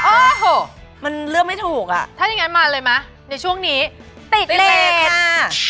โอ้โหมันเลือกไม่ถูกอ่ะถ้าอย่างงั้นมาเลยไหมในช่วงนี้ติดเลยค่ะ